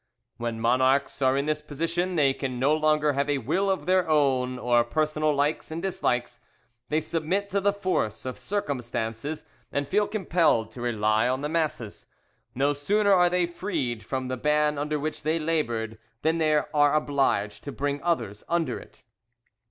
When monarchs are in this position they can no longer have a will of their own or personal likes and dislikes; they submit to the force of circumstances, and feel compelled to rely on the masses; no sooner are they freed from the ban under which they laboured than they are obliged to bring others under it.